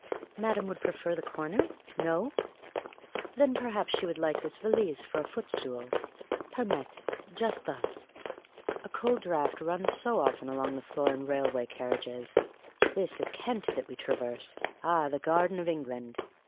Madame would prefer the corner ? No ? Then perhaps she would like this valise for a footstool ? Permeates— just thus. i8 Miss Cayley's Adventures A cold draught runs so often along the floor in railway car riages. This is Kent that we traverse ; ah, the garden of England